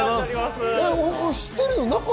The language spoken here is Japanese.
知ってるの？